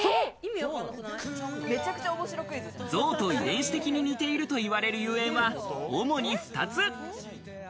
象と遺伝子的に似ていると言われるゆえんは主に二つ。